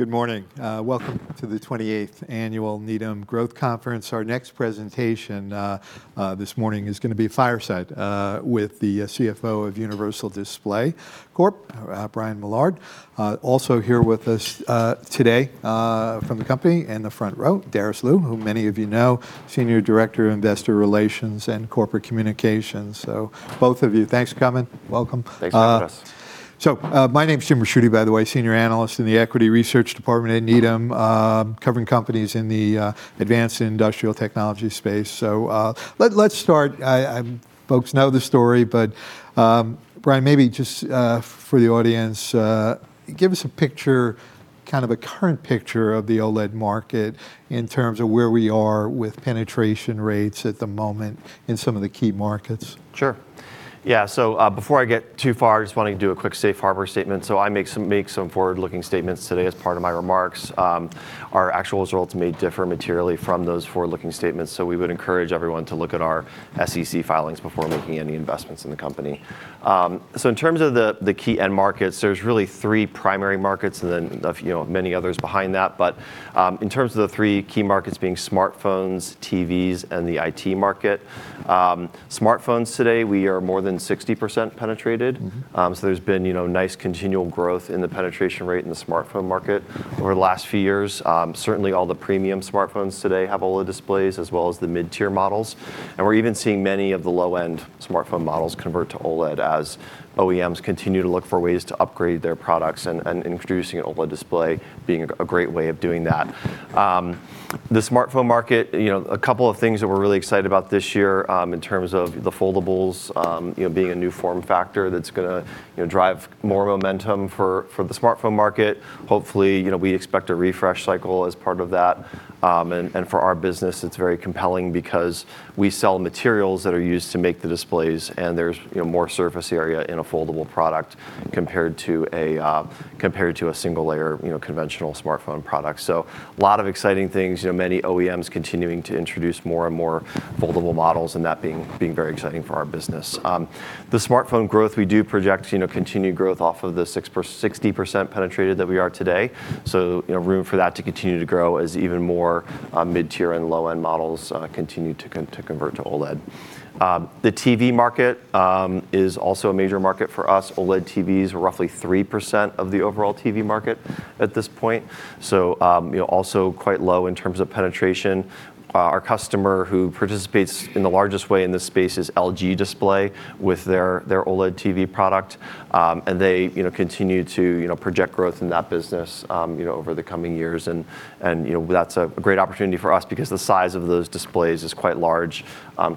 There you go. Good morning. Welcome to the 28th Annual Needham Growth Conference. Our next presentation this morning is going to be Fireside with the CFO of Universal Display Corp, Brian Millard. Also here with us today from the company and the front row, Darice Liu, whom many of you know, Senior Director of Investor Relations and Corporate Communications. So both of you, thanks for coming. Welcome. Thanks for having us. So my name's Jim Ricchiuti, by the way, Senior Analyst in the Equity Research Department at Needham, covering companies in the advanced industrial technology space. So let's start. Folks know the story, but Brian, maybe just for the audience, give us a picture, kind of a current picture of the OLED market in terms of where we are with penetration rates at the moment in some of the key markets. Sure. Yeah, so before I get too far, I just want to do a quick safe harbor statement, so I make some forward-looking statements today as part of my remarks. Our actual results may differ materially from those forward-looking statements, so we would encourage everyone to look at our SEC filings before making any investments in the company, so in terms of the key end markets, there's really three primary markets and then many others behind that. But in terms of the three key markets being smartphones, TVs, and the IT market, smartphones today, we are more than 60% penetrated, so there's been nice continual growth in the penetration rate in the smartphone market over the last few years. Certainly, all the premium smartphones today have OLED displays as well as the mid-tier models. We're even seeing many of the low-end smartphone models convert to OLED as OEMs continue to look for ways to upgrade their products and introducing an OLED display being a great way of doing that. The smartphone market, a couple of things that we're really excited about this year in terms of the foldables being a new form factor that's going to drive more momentum for the smartphone market. Hopefully, we expect a refresh cycle as part of that. For our business, it's very compelling because we sell materials that are used to make the displays, and there's more surface area in a foldable product compared to a single-layer conventional smartphone product. A lot of exciting things, many OEMs continuing to introduce more and more foldable models, and that being very exciting for our business. The smartphone growth, we do project continued growth off of the 60% penetration that we are today, so room for that to continue to grow as even more mid-tier and low-end models continue to convert to OLED. The TV market is also a major market for us. OLED TVs are roughly 3% of the overall TV market at this point, so also quite low in terms of penetration. Our customer who participates in the largest way in this space is LG Display with their OLED TV product, and they continue to project growth in that business over the coming years. That's a great opportunity for us because the size of those displays is quite large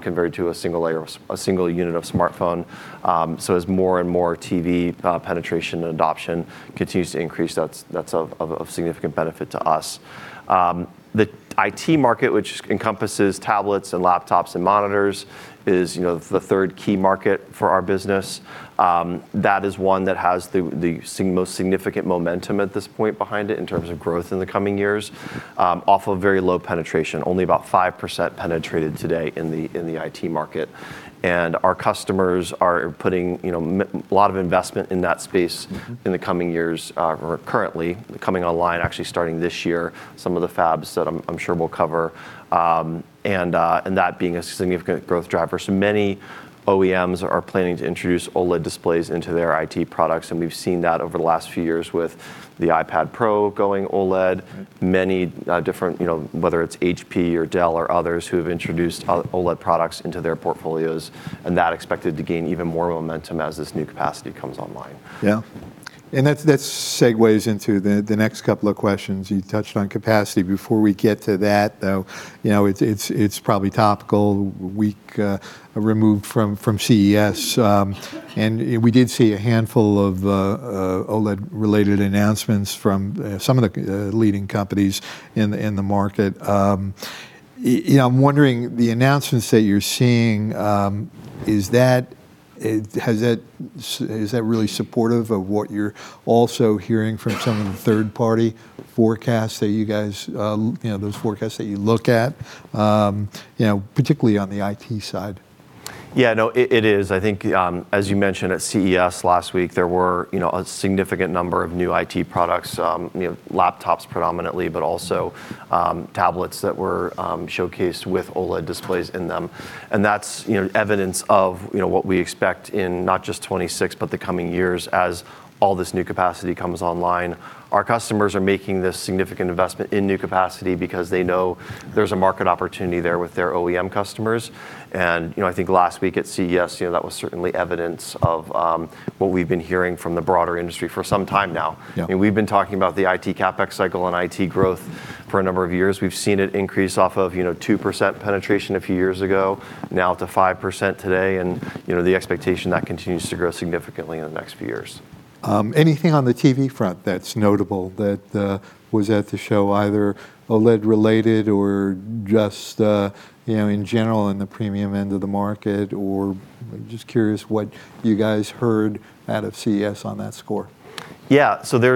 compared to a single unit of smartphone, so as more and more TV penetration and adoption continues to increase, that's of significant benefit to us. The IT market, which encompasses tablets and laptops and monitors, is the third key market for our business. That is one that has the most significant momentum at this point behind it in terms of growth in the coming years, off of very low penetration, only about 5% penetrated today in the IT market. And our customers are putting a lot of investment in that space in the coming years, currently coming online, actually starting this year, some of the fabs that I'm sure we'll cover, and that being a significant growth driver. So many OEMs are planning to introduce OLED displays into their IT products. We've seen that over the last few years with the iPad Pro going OLED, many different, whether it's HP or Dell or others who have introduced OLED products into their portfolios, and that expected to gain even more momentum as this new capacity comes online. Yeah. And that segues into the next couple of questions. You touched on capacity. Before we get to that, though, it's probably topical, a week removed from CES. And we did see a handful of OLED-related announcements from some of the leading companies in the market. I'm wondering, the announcements that you're seeing, is that really supportive of what you're also hearing from some of the third-party forecasts that you guys, those forecasts that you look at, particularly on the IT side? Yeah, no, it is. I think, as you mentioned at CES last week, there were a significant number of new IT products, laptops predominantly, but also tablets that were showcased with OLED displays in them, and that's evidence of what we expect in not just 2026, but the coming years as all this new capacity comes online. Our customers are making this significant investment in new capacity because they know there's a market opportunity there with their OEM customers. I think last week at CES, that was certainly evidence of what we've been hearing from the broader industry for some time now. We've been talking about the IT CapEx cycle and IT growth for a number of years. We've seen it increase off of 2% penetration a few years ago, now to 5% today, and the expectation that continues to grow significantly in the next few years. Anything on the TV front that's notable that was at the show, either OLED-related or just in general in the premium end of the market, or just curious what you guys heard out of CES on that score? Yeah, so there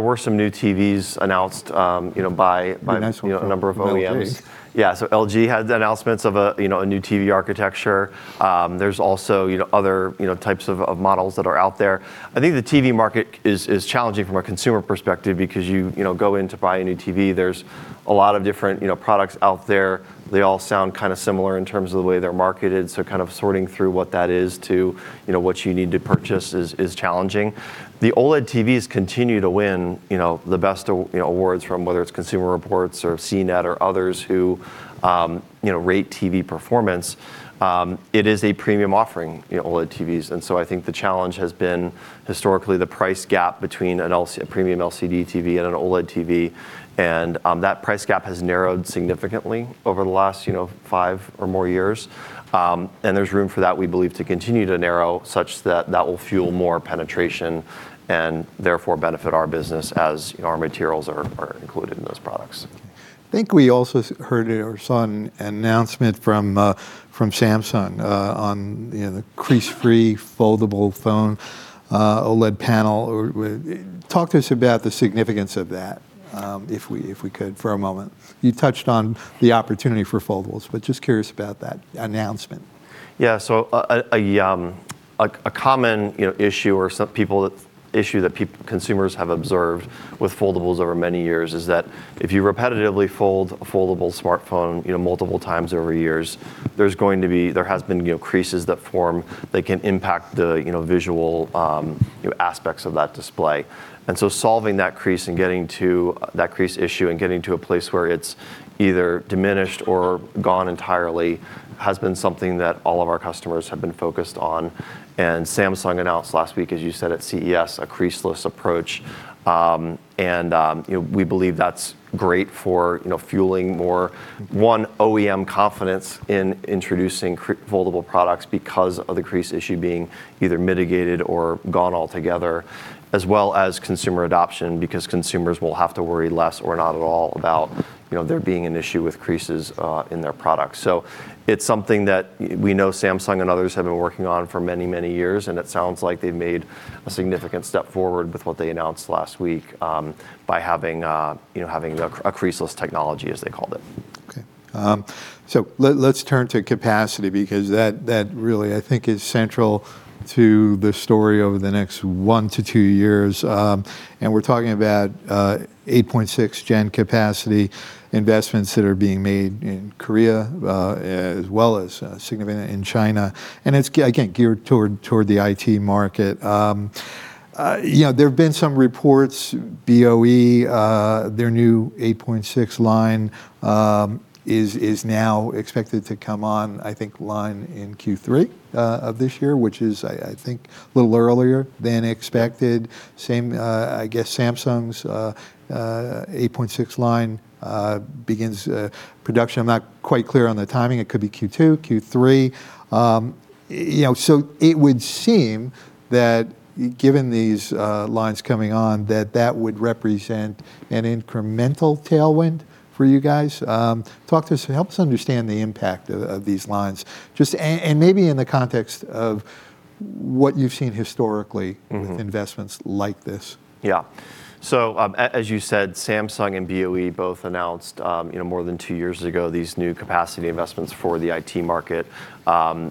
were some new TVs announced by a number of OEMs. That's interesting. Yeah. So LG had announcements of a new TV architecture. There's also other types of models that are out there. I think the TV market is challenging from a consumer perspective because you go in to buy a new TV, there's a lot of different products out there. They all sound kind of similar in terms of the way they're marketed. So kind of sorting through what that is to what you need to purchase is challenging. The OLED TVs continue to win the best awards from whether it's Consumer Reports or CNET or others who rate TV performance. It is a premium offering, OLED TVs. And so I think the challenge has been historically the price gap between a premium LCD TV and an OLED TV. And that price gap has narrowed significantly over the last five or more years. There's room for that, we believe, to continue to narrow such that that will fuel more penetration and therefore benefit our business as our materials are included in those products. I think we also heard a recent announcement from Samsung on the crease-free foldable phone OLED panel. Talk to us about the significance of that, if we could, for a moment. You touched on the opportunity for foldables, but just curious about that announcement. Yeah. A common issue that consumers have observed with foldables over many years is that if you repetitively fold a foldable smartphone multiple times over years, there has been creases that form that can impact the visual aspects of that display. Solving that crease and getting to that crease issue and getting to a place where it's either diminished or gone entirely has been something that all of our customers have been focused on. Samsung announced last week, as you said, at CES, a creaseless approach. We believe that's great for fueling more OEM confidence in introducing foldable products because of the crease issue being either mitigated or gone altogether, as well as consumer adoption because consumers will have to worry less or not at all about there being an issue with creases in their products. So it's something that we know Samsung and others have been working on for many, many years. And it sounds like they've made a significant step forward with what they announced last week by having a creaseless technology, as they called it. Okay. So let's turn to capacity because that really, I think, is central to the story over the next one to two years. And we're talking about 8.6 Gen capacity investments that are being made in Korea, as well as significant in China. And it's, again, geared toward the IT market. There've been some reports, BOE, their new 8.6 line is now expected to come on, I think, line in Q3 of this year, which is, I think, a little earlier than expected. Same, I guess, Samsung's 8.6 line begins production. I'm not quite clear on the timing. It could be Q2, Q3. So it would seem that given these lines coming on, that that would represent an incremental tailwind for you guys. Talk to us, help us understand the impact of these lines, just, and maybe in the context of what you've seen historically with investments like this. Yeah, so as you said, Samsung and BOE both announced more than two years ago these new capacity investments for the IT market.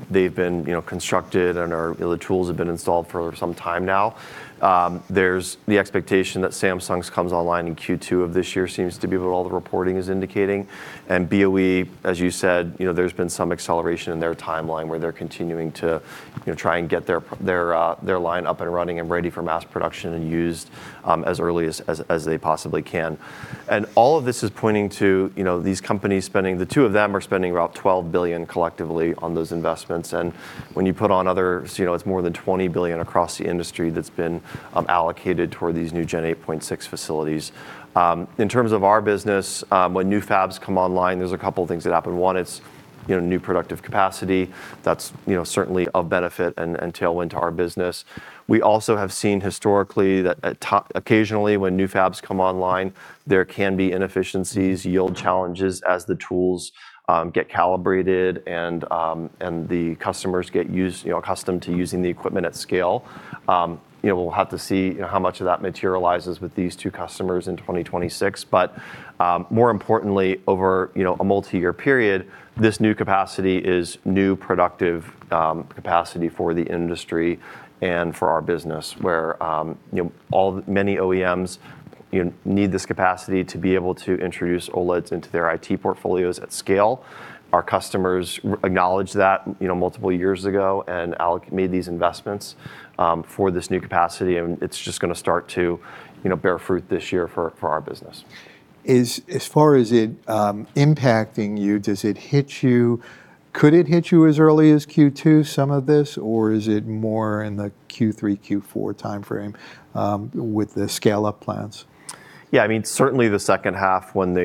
They've been constructed and the tools have been installed for some time now. There's the expectation that Samsung's comes online in Q2 of this year, seems to be what all the reporting is indicating. And BOE, as you said, there's been some acceleration in their timeline where they're continuing to try and get their line up and running and ready for mass production and used as early as they possibly can. And all of this is pointing to these companies spending, the two of them are spending about $12 billion collectively on those investments. And when you put on others, it's more than $20 billion across the industry that's been allocated toward these new Gen 8.6 facilities. In terms of our business, when new fabs come online, there's a couple of things that happen. One, it's new productive capacity. That's certainly a benefit and tailwind to our business. We also have seen historically that occasionally when new fabs come online, there can be inefficiencies, yield challenges as the tools get calibrated and the customers get used to using the equipment at scale. We'll have to see how much of that materializes with these two customers in 2026, but more importantly, over a multi-year period, this new capacity is new productive capacity for the industry and for our business, where many OEMs need this capacity to be able to introduce OLEDs into their IT portfolios at scale. Our customers acknowledged that multiple years ago and made these investments for this new capacity, and it's just going to start to bear fruit this year for our business. As far as it impacting you, does it hit you, could it hit you as early as Q2, some of this, or is it more in the Q3, Q4 timeframe with the scale-up plans? Yeah, I mean, certainly the second half, when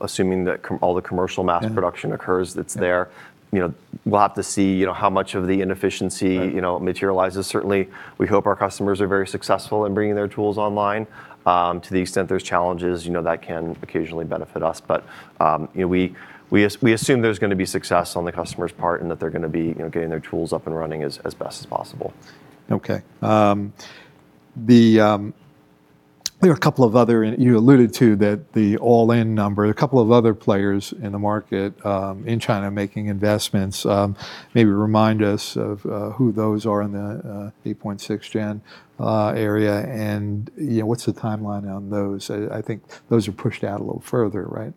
assuming that all the commercial mass production occurs that's there, we'll have to see how much of the inefficiency materializes. Certainly, we hope our customers are very successful in bringing their tools online. To the extent there's challenges, that can occasionally benefit us. But we assume there's going to be success on the customer's part and that they're going to be getting their tools up and running as best as possible. Okay. There are a couple of other, you alluded to that the all-in number, a couple of other players in the market in China making investments, maybe remind us of who those are in the 8.6 Gen area. And what's the timeline on those? I think those are pushed out a little further, right?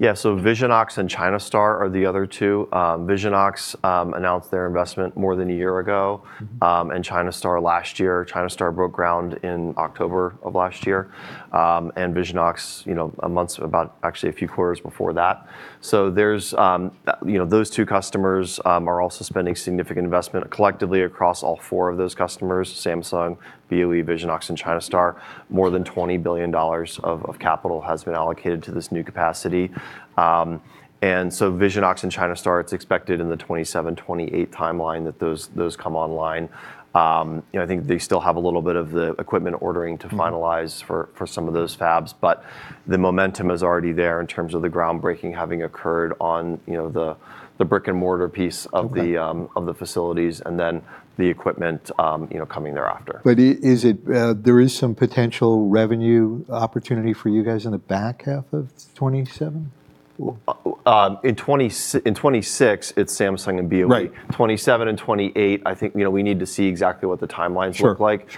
Yeah. So Visionox and China Star are the other two. Visionox announced their investment more than a year ago, and China Star last year. China Star broke ground in October of last year, and Visionox a month, actually a few quarters before that. So those two customers are also spending significant investment collectively across all four of those customers, Samsung, BOE, Visionox, and China Star. More than $20 billion of capital has been allocated to this new capacity. Visionox and China Star, it's expected in the 2027, 2028 timeline that those come online. I think they still have a little bit of the equipment ordering to finalize for some of those fabs. But the momentum is already there in terms of the groundbreaking having occurred on the brick-and-mortar piece of the facilities and then the equipment coming thereafter. But is there some potential revenue opportunity for you guys in the back half of 2027? In 2026, it's Samsung and BOE. 2027 and 2028, I think we need to see exactly what the timelines look like.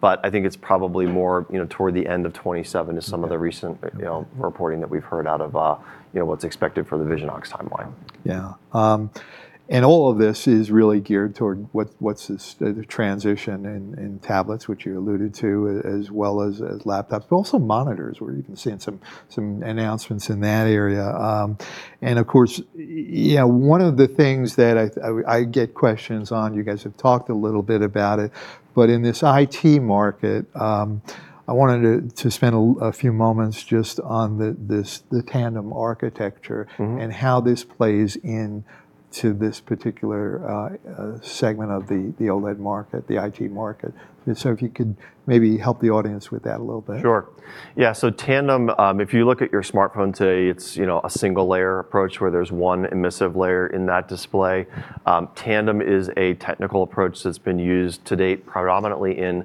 But I think it's probably more toward the end of 2027 is some of the recent reporting that we've heard out of what's expected for the Visionox timeline. Yeah. And all of this is really geared toward what's the transition in tablets, which you alluded to, as well as laptops, but also monitors. We're even seeing some announcements in that area. And of course, one of the things that I get questions on, you guys have talked a little bit about it, but in this IT market, I wanted to spend a few moments just on the tandem architecture and how this plays into this particular segment of the OLED market, the IT market. So if you could maybe help the audience with that a little bit. Sure. Yeah. So tandem, if you look at your smartphone today, it's a single-layer approach where there's one emissive layer in that display. tandem is a technical approach that's been used to date predominantly in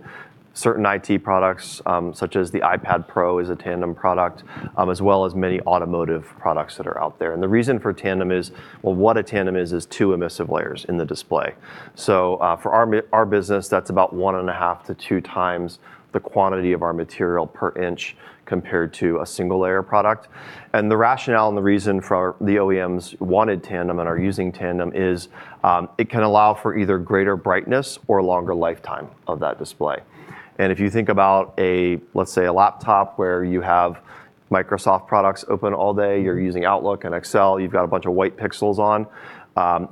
certain IT products, such as the iPad Pro, is a tandem product, as well as many automotive products that are out there. And the reason for tandem is, well, what a tandem is, is two emissive layers in the display. So for our business, that's about one and a half to two times the quantity of our material per inch compared to a single-layer product. And the rationale and the reason for the OEMs wanted tandem and are using tandem is it can allow for either greater brightness or longer lifetime of that display. And if you think about, let's say, a laptop where you have Microsoft products open all day, you're using Outlook and Excel, you've got a bunch of white pixels on.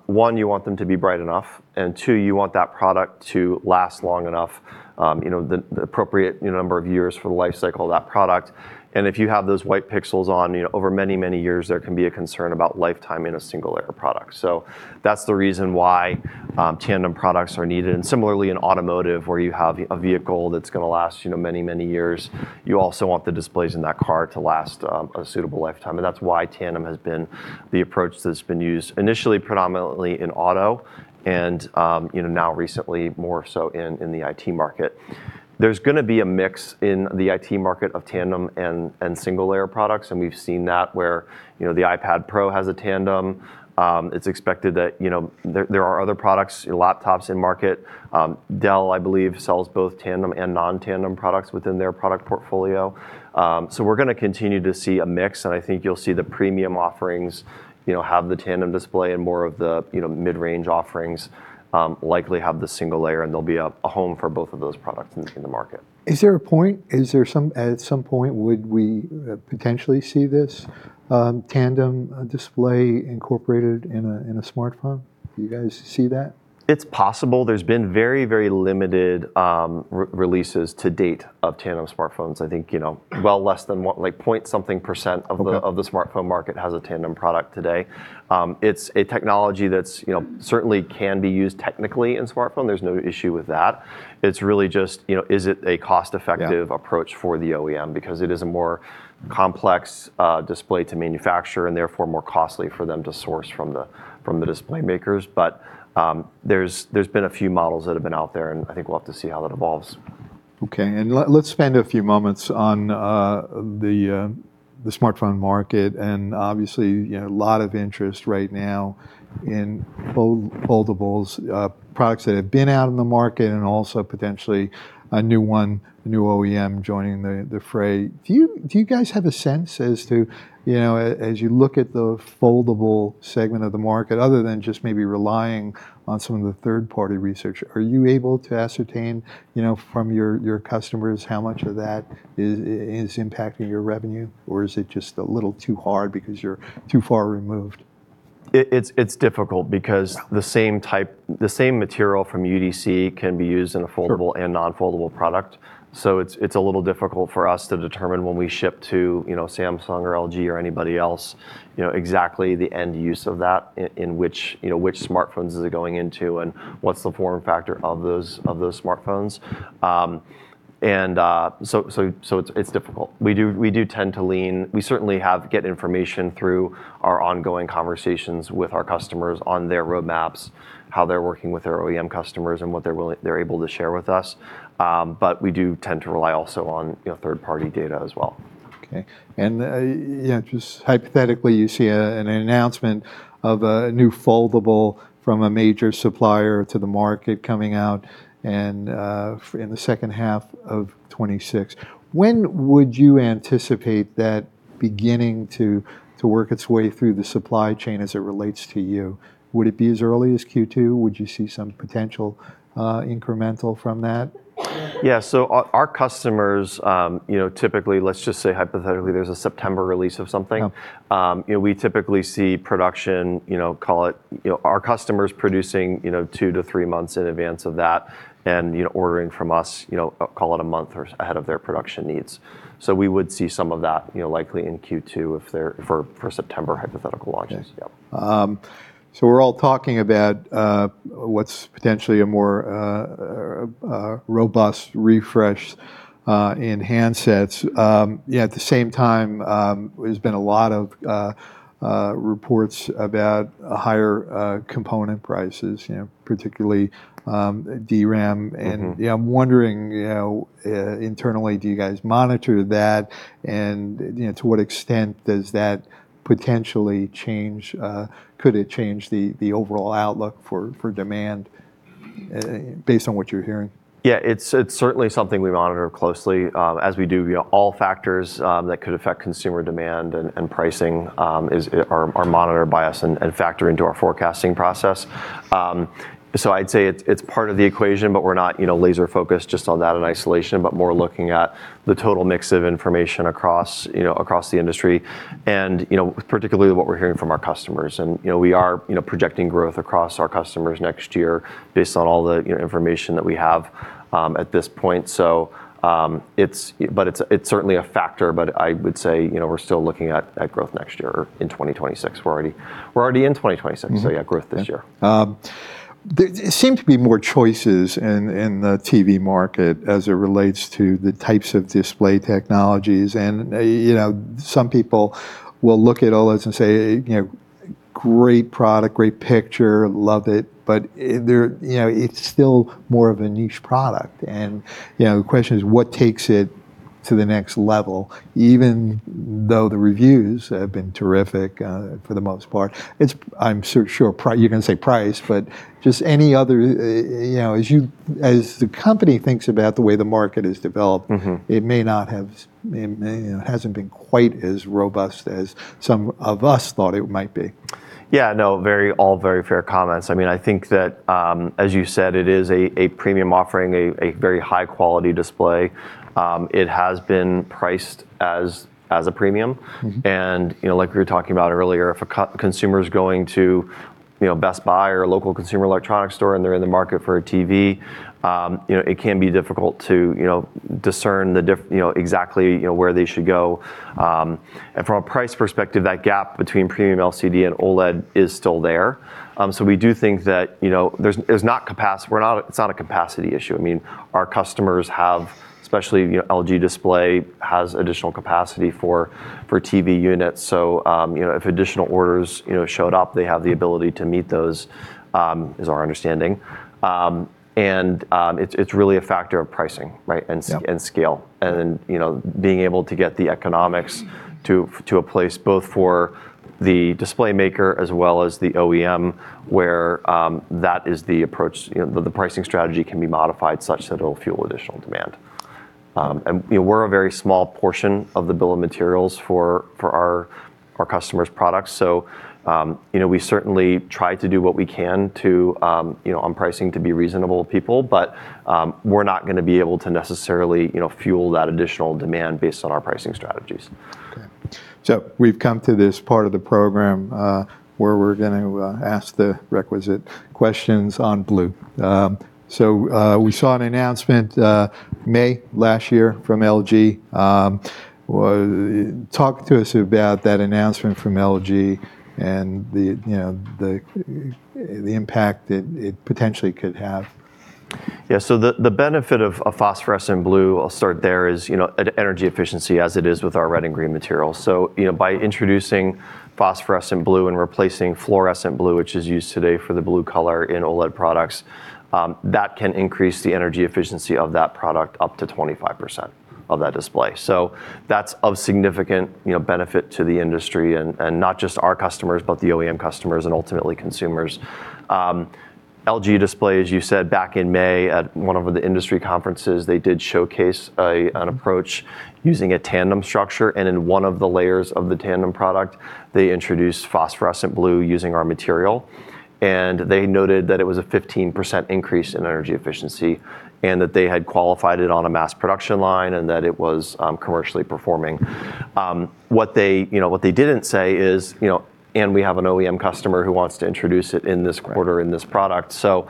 One, you want them to be bright enough, and two, you want that product to last long enough, the appropriate number of years for the lifecycle of that product. And if you have those white pixels on over many, many years, there can be a concern about lifetime in a single-layer product. So that's the reason why tandem products are needed. And similarly, in automotive, where you have a vehicle that's going to last many, many years, you also want the displays in that car to last a suitable lifetime. And that's why tandem has been the approach that's been used initially predominantly in auto and now recently more so in the IT market. There's going to be a mix in the IT market of tandem and single-layer products. And we've seen that where the iPad Pro has a tandem. It's expected that there are other products, laptops in market. Dell, I believe, sells both tandem and non-tandem products within their product portfolio. So we're going to continue to see a mix. And I think you'll see the premium offerings have the tandem display and more of the mid-range offerings likely have the single layer. And there'll be a home for both of those products in the market. Is there a point, is there at some point would we potentially see this tandem display incorporated in a smartphone? Do you guys see that? It's possible. There's been very, very limited releases to date of tandem smartphones. I think well less than like point something % of the smartphone market has a tandem product today. It's a technology that certainly can be used technically in smartphone. There's no issue with that. It's really just, is it a cost-effective approach for the OEM? Because it is a more complex display to manufacture and therefore more costly for them to source from the display makers. But there's been a few models that have been out there. And I think we'll have to see how that evolves. Okay, and let's spend a few moments on the smartphone market, and obviously, a lot of interest right now in foldables, products that have been out in the market, and also potentially a new one, a new OEM joining the fray. Do you guys have a sense as to, as you look at the foldable segment of the market, other than just maybe relying on some of the third-party research, are you able to ascertain from your customers how much of that is impacting your revenue, or is it just a little too hard because you're too far removed? It's difficult because the same material from UDC can be used in a foldable and non-foldable product. So it's a little difficult for us to determine when we ship to Samsung or LG or anybody else exactly the end use of that, in which smartphones is it going into and what's the form factor of those smartphones. And so it's difficult. We do tend to lean, we certainly get information through our ongoing conversations with our customers on their roadmaps, how they're working with their OEM customers and what they're able to share with us. But we do tend to rely also on third-party data as well. Okay. And just hypothetically, you see an announcement of a new foldable from a major supplier to the market coming out in the second half of 2026. When would you anticipate that beginning to work its way through the supply chain as it relates to you? Would it be as early as Q2? Would you see some potential incremental from that? Yeah. So our customers typically, let's just say hypothetically, there's a September release of something. We typically see production, call it our customers producing two to three months in advance of that and ordering from us, call it a month ahead of their production needs. So we would see some of that likely in Q2 for September hypothetical launches. So we're all talking about what's potentially a more robust refresh in handsets. At the same time, there's been a lot of reports about higher component prices, particularly DRAM. And I'm wondering internally, do you guys monitor that? And to what extent does that potentially change? Could it change the overall outlook for demand based on what you're hearing? Yeah. It's certainly something we monitor closely. As we do, all factors that could affect consumer demand and pricing are monitored by us and factor into our forecasting process. So I'd say it's part of the equation, but we're not laser-focused just on that in isolation, but more looking at the total mix of information across the industry, and particularly what we're hearing from our customers. And we are projecting growth across our customers next year based on all the information that we have at this point. But it's certainly a factor, but I would say we're still looking at growth next year or in 2026. We're already in 2026, so yeah, growth this year. There seem to be more choices in the TV market as it relates to the types of display technologies, and some people will look at OLEDs and say, "Great product, great picture, love it," but it's still more of a niche product, and the question is, what takes it to the next level? Even though the reviews have been terrific for the most part, I'm sure you're going to say price, but just any other, as the company thinks about the way the market has developed, it may not have, it hasn't been quite as robust as some of us thought it might be. Yeah, no, all very fair comments. I mean, I think that, as you said, it is a premium offering, a very high-quality display. It has been priced as a premium, and like we were talking about earlier, if a consumer is going to Best Buy or a local consumer electronics store and they're in the market for a TV, it can be difficult to discern exactly where they should go, and from a price perspective, that gap between premium LCD and OLED is still there, so we do think that there's not capacity, it's not a capacity issue, I mean, our customers have, especially LG Display has additional capacity for TV units, so if additional orders showed up, they have the ability to meet those, is our understanding, and it's really a factor of pricing and scale. And being able to get the economics to a place both for the display maker as well as the OEM, where that is the approach, the pricing strategy can be modified such that it'll fuel additional demand. And we're a very small portion of the bill of materials for our customers' products. So we certainly try to do what we can on pricing to be reasonable to people, but we're not going to be able to necessarily fuel that additional demand based on our pricing strategies. Okay. So we've come to this part of the program where we're going to ask the requisite questions on blue. So we saw an announcement May last year from LG. Talk to us about that announcement from LG and the impact it potentially could have. Yeah. So the benefit of phosphorescent blue, I'll start there, is energy efficiency as it is with our red and green materials. So by introducing phosphorescent blue and replacing fluorescent blue, which is used today for the blue color in OLED products, that can increase the energy efficiency of that product up to 25% of that display. So that's of significant benefit to the industry and not just our customers, but the OEM customers and ultimately consumers. LG Display, as you said, back in May at one of the industry conferences, they did showcase an approach using a tandem structure. And in one of the layers of the tandem product, they introduced phosphorescent blue using our material. And they noted that it was a 15% increase in energy efficiency and that they had qualified it on a mass production line and that it was commercially performing. What they didn't say is, and we have an OEM customer who wants to introduce it in this quarter in this product. So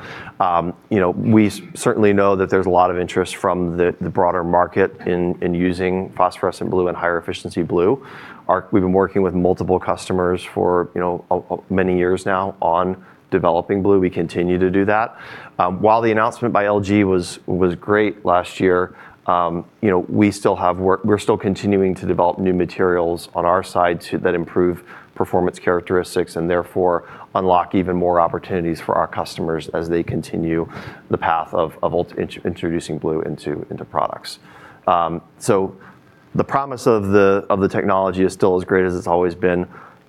we certainly know that there's a lot of interest from the broader market in using phosphorescent blue and higher efficiency blue. We've been working with multiple customers for many years now on developing blue. We continue to do that. While the announcement by LG was great last year, we still have work, we're still continuing to develop new materials on our side that improve performance characteristics and therefore unlock even more opportunities for our customers as they continue the path of introducing blue into products. So the promise of the technology is still as great as it's always been.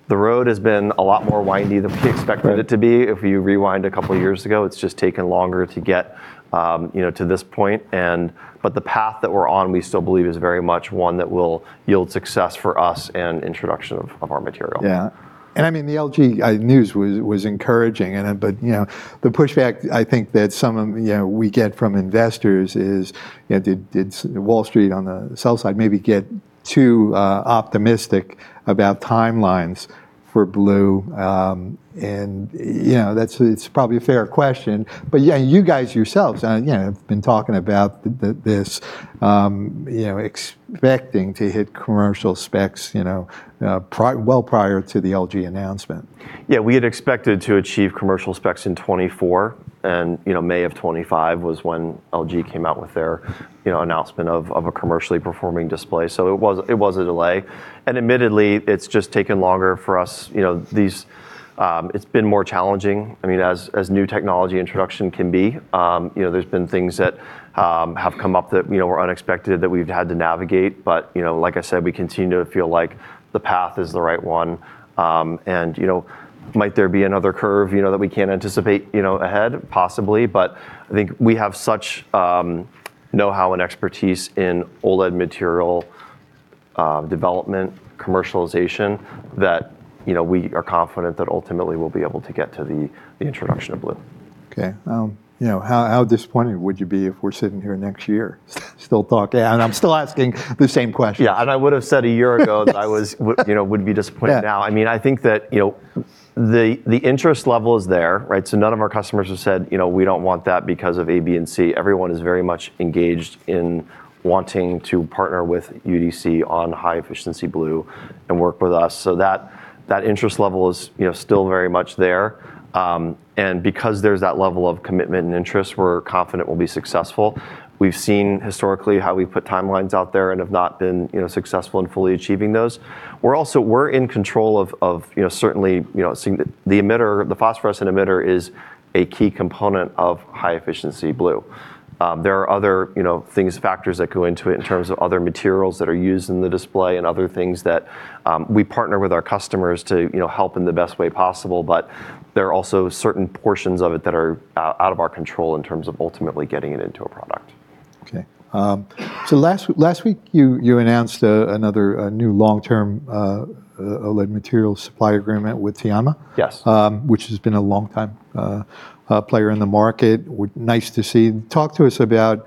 The road has been a lot more winding than we expected it to be if we rewind a couple of years ago. It's just taken longer to get to this point. But the path that we're on, we still believe is very much one that will yield success for us and introduction of our material. Yeah. And I mean, the LG news was encouraging. But the pushback I think that some of we get from investors is did Wall Street on the sell side maybe get too optimistic about timelines for blue? And that's probably a fair question. But yeah, you guys yourselves have been talking about this, expecting to hit commercial specs well prior to the LG announcement. Yeah. We had expected to achieve commercial specs in 2024. And May of 2025 was when LG came out with their announcement of a commercially performing display. So it was a delay. And admittedly, it's just taken longer for us. It's been more challenging. I mean, as new technology introduction can be, there's been things that have come up that were unexpected that we've had to navigate. But like I said, we continue to feel like the path is the right one. And might there be another curve that we can't anticipate ahead? Possibly. But I think we have such know-how and expertise in OLED material development, commercialization, that we are confident that ultimately we'll be able to get to the introduction of blue. Okay. How disappointed would you be if we're sitting here next year still talking, and I'm still asking the same question? Yeah, and I would have said a year ago that I would be disappointed now. I mean, I think that the interest level is there, so none of our customers have said, "We don't want that because of A, B, and C." Everyone is very much engaged in wanting to partner with UDC on high efficiency blue and work with us, so that interest level is still very much there. And because there's that level of commitment and interest, we're confident we'll be successful. We've seen historically how we've put timelines out there and have not been successful in fully achieving those. We're in control of certainly the emitter; the phosphorescent emitter is a key component of high efficiency blue. There are other things, factors that go into it in terms of other materials that are used in the display and other things that we partner with our customers to help in the best way possible. But there are also certain portions of it that are out of our control in terms of ultimately getting it into a product. Okay. So last week, you announced another new long-term OLED material supply agreement with Tianma, which has been a longtime player in the market. Nice to see. Talk to us about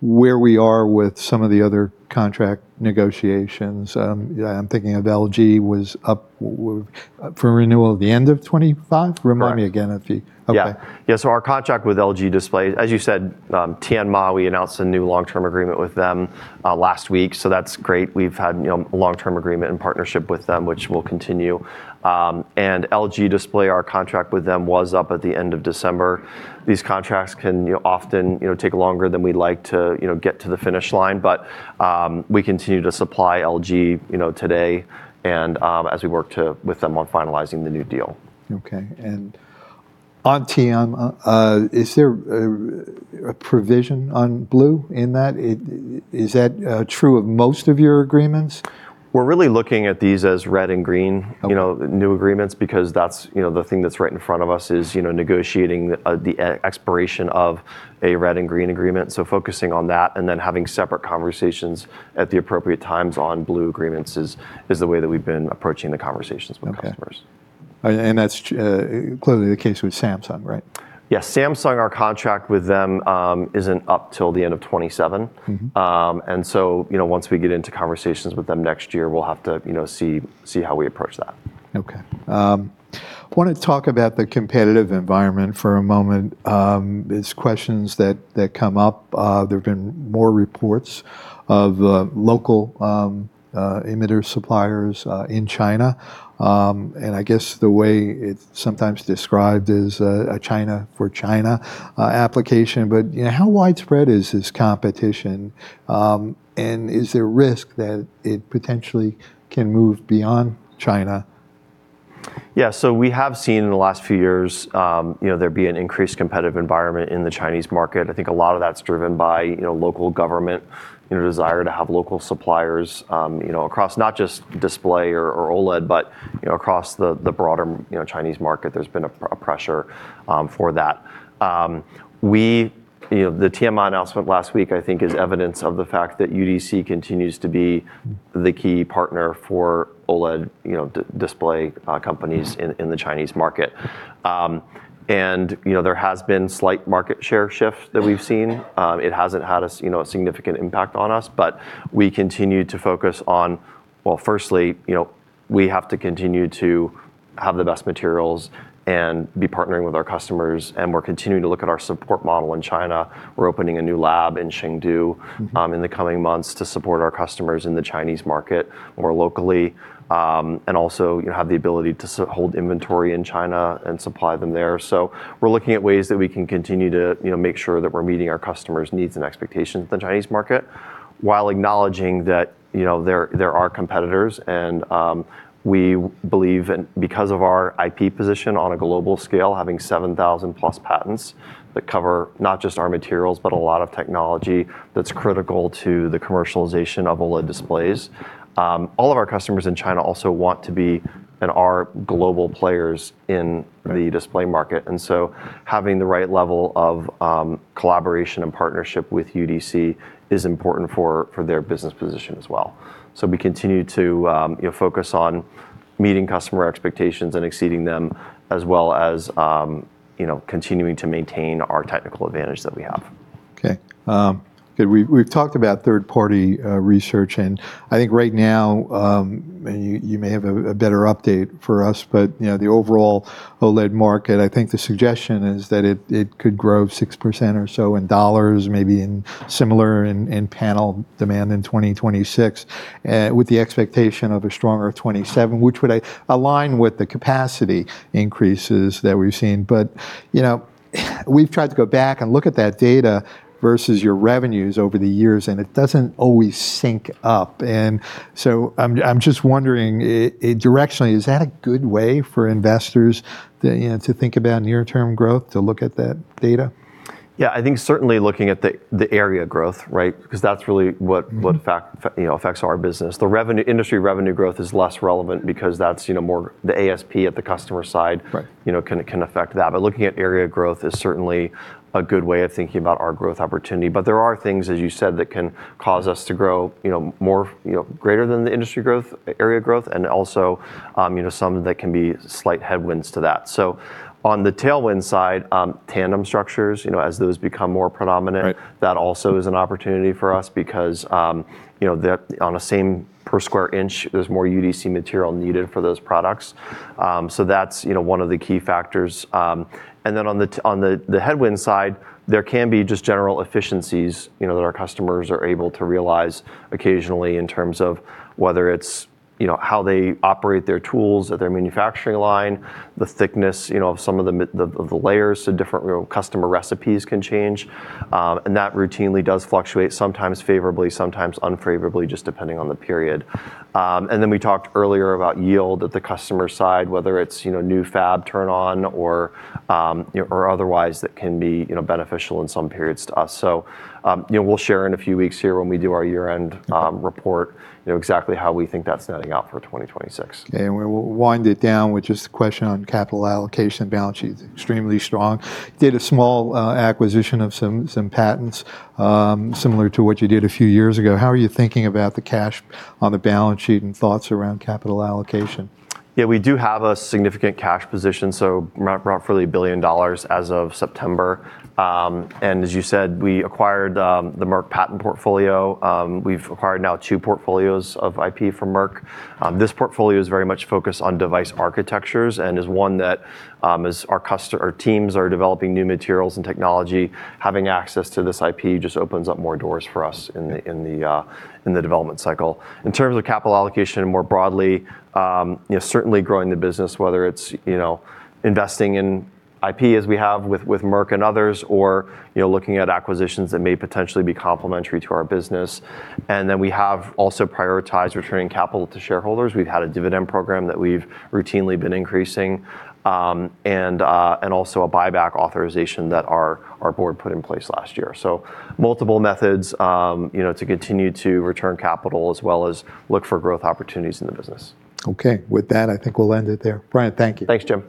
where we are with some of the other contract negotiations. I'm thinking of LG was up for renewal at the end of 2025. Remind me again if you. Yeah. Yeah, so our contract with LG Display, as you said. Tianma, we announced a new long-term agreement with them last week, so that's great. We've had a long-term agreement and partnership with them, which we'll continue, and LG Display, our contract with them was up at the end of December. These contracts can often take longer than we'd like to get to the finish line, but we continue to supply LG today and as we work with them on finalizing the new deal. Okay. And on Tianma, is there a provision on blue in that? Is that true of most of your agreements? We're really looking at these as red and green new agreements because that's the thing that's right in front of us, is negotiating the expiration of a red and green agreement, so focusing on that and then having separate conversations at the appropriate times on blue agreements is the way that we've been approaching the conversations with customers. And that's clearly the case with Samsung, right? Yeah. Samsung, our contract with them isn't up till the end of 2027. And so once we get into conversations with them next year, we'll have to see how we approach that. Okay. I want to talk about the competitive environment for a moment. There's questions that come up. There have been more reports of local emitter suppliers in China. And I guess the way it's sometimes described is a China for China application. But how widespread is this competition? And is there a risk that it potentially can move beyond China? Yeah. So we have seen in the last few years there to be an increased competitive environment in the Chinese market. I think a lot of that's driven by local government desire to have local suppliers across not just display or OLED, but across the broader Chinese market. There's been a pressure for that. The Tianma announcement last week, I think, is evidence of the fact that UDC continues to be the key partner for OLED display companies in the Chinese market. And there has been slight market share shifts that we've seen. It hasn't had a significant impact on us. But we continue to focus on, well, firstly, we have to continue to have the best materials and be partnering with our customers. And we're continuing to look at our support model in China. We're opening a new lab in Chengdu in the coming months to support our customers in the Chinese market more locally and also have the ability to hold inventory in China and supply them there. So we're looking at ways that we can continue to make sure that we're meeting our customers' needs and expectations in the Chinese market while acknowledging that there are competitors. And we believe because of our IP position on a global scale, having 7,000-plus patents that cover not just our materials, but a lot of technology that's critical to the commercialization of OLED displays, all of our customers in China also want to be and are global players in the display market. And so having the right level of collaboration and partnership with UDC is important for their business position as well. We continue to focus on meeting customer expectations and exceeding them as well as continuing to maintain our technical advantage that we have. Okay. We've talked about third-party research. And I think right now, you may have a better update for us, but the overall OLED market, I think the suggestion is that it could grow 6% or so in dollars, maybe similar in panel demand in 2026 with the expectation of a stronger 2027, which would align with the capacity increases that we've seen. But we've tried to go back and look at that data versus your revenues over the years, and it doesn't always sync up. And so I'm just wondering directionally, is that a good way for investors to think about near-term growth, to look at that data? Yeah. I think certainly looking at the area growth, right, because that's really what affects our business. The industry revenue growth is less relevant because that's more the ASP at the customer side can affect that. But looking at area growth is certainly a good way of thinking about our growth opportunity. But there are things, as you said, that can cause us to grow greater than the industry growth, area growth, and also some that can be slight headwinds to that. So on the tailwind side, tandem structures, as those become more predominant, that also is an opportunity for us because on a same per square inch, there's more UDC material needed for those products. So that's one of the key factors. And then on the headwind side, there can be just general efficiencies that our customers are able to realize occasionally in terms of whether it's how they operate their tools at their manufacturing line, the thickness of some of the layers. So different customer recipes can change. And that routinely does fluctuate, sometimes favorably, sometimes unfavorably, just depending on the period. And then we talked earlier about yield at the customer side, whether it's new fab turn-on or otherwise that can be beneficial in some periods to us. So we'll share in a few weeks here when we do our year-end report exactly how we think that's netting out for 2026. And we'll wind it down with just a question on capital allocation balance sheet. Extremely strong. Did a small acquisition of some patents similar to what you did a few years ago. How are you thinking about the cash on the balance sheet and thoughts around capital allocation? Yeah. We do have a significant cash position, so roughly $1 billion as of September. And as you said, we acquired the Merck patent portfolio. We've acquired now two portfolios of IP from Merck. This portfolio is very much focused on device architectures and is one that our teams are developing new materials and technology. Having access to this IP just opens up more doors for us in the development cycle. In terms of capital allocation more broadly, certainly growing the business, whether it's investing in IP as we have with Merck and others or looking at acquisitions that may potentially be complementary to our business. And then we have also prioritized returning capital to shareholders. We've had a dividend program that we've routinely been increasing and also a buyback authorization that our board put in place last year. So multiple methods to continue to return capital as well as look for growth opportunities in the business. Okay. With that, I think we'll end it there. Brian, thank you. Thanks, Jim.